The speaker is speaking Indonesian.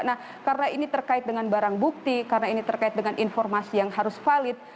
nah karena ini terkait dengan barang bukti karena ini terkait dengan informasi yang harus valid